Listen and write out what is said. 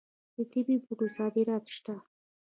د طبي بوټو صادرات شته.